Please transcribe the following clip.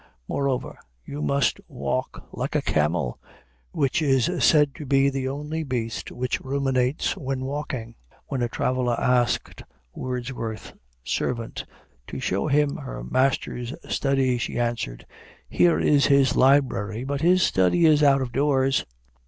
Moreover, you must walk like a camel, which is said to be the only beast which ruminates when walking. When a traveler asked Wordsworth's servant to show him her master's study, she answered, "Here is his library, but his study is out of doors."